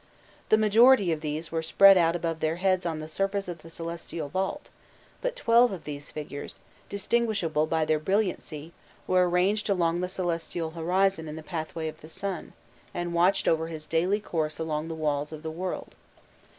The majority of these were spread out above their heads on the surface of the celestial vault; but twelve of these figures, distinguishable by their brilliancy, were arranged along the celestial horizon in the pathway of the sun, and watched over his daily course along the walls of the world.